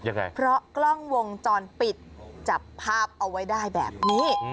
ยังไงเพราะกล้องวงจรปิดจับภาพเอาไว้ได้แบบนี้